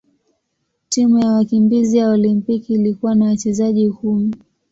Timu ya wakimbizi ya Olimpiki ilikuwa na wachezaji kumi.